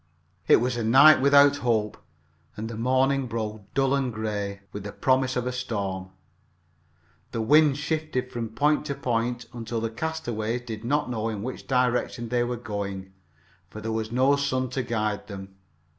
It was a night without hope, and the morning broke dull and gray, with the promise of a storm. The wind shifted from point to point until the castaways did not know in which direction they were going, for there was no sun to guide them.